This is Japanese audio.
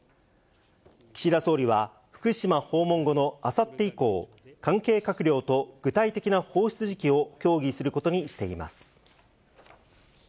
岸田総理は、福島訪問後のあさって以降、関係閣僚と具体的な放出時期を協議することにしています。